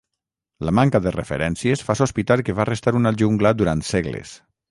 La manca de referències fa sospitar que va restar una jungla durant segles.